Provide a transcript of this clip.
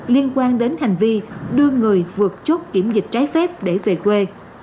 liên quan đến hành vi đưa người vượt chốt kiểm dịch trái phép để về quê